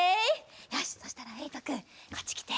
よしそしたらえいとくんこっちきて。